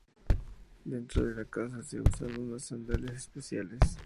Dentro de la casa se usan unas sandalias especiales.